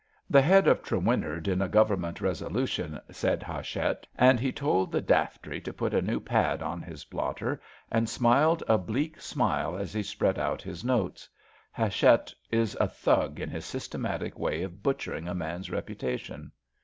''The head of Trewinnard in a Government Resolution," said Hatchett, and he told the daftri to put a new pad on his blotter, and smiled a bleak smile as he spread out his notes. Hatchett is a Thug in his systematic way of butchering a man's reputation.